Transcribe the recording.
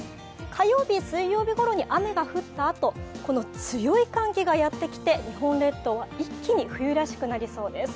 火曜日、水曜日ごろに雨が降ったあとこの強い寒気がやってきて、日本列島は一気に冬らしくなりそうです。